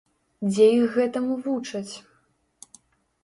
Дзе іх гэтаму вучаць?